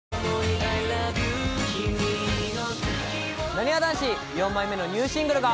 「なにわ男子４枚目のニューシングルが」